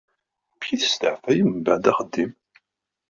Amek i testeεfayem mbeεd axeddim?